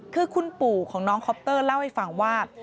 คือคุณปู่ของน้องคอปเตอร์เล่าให้ฟังว่า